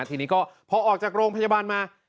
ทีนี้ก็พอออกจากโรงพยาบาลมา